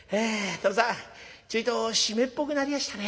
殿さんちょいと湿っぽくなりやしたね。